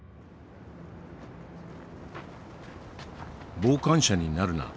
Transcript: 「傍観者になるな」。